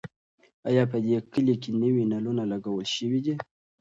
ایا په دې کلي کې نوي نلونه لګول شوي دي؟